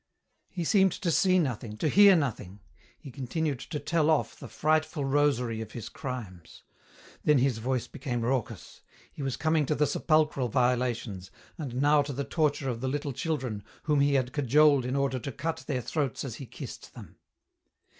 He seemed to see nothing, to hear nothing. He continued to tell off the frightful rosary of his crimes. Then his voice became raucous. He was coming to the sepulchral violations, and now to the torture of the little children whom he had cajoled in order to cut their throats as he kissed them.